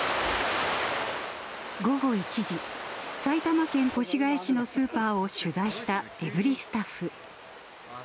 午後１時、埼玉県越谷市のスーパーを取材したエブリィスタッフ。